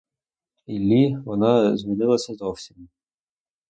Іллі, вона змінилася зовсім.